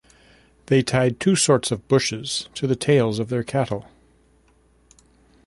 They tied two sorts of bushes to the tails of their cattle.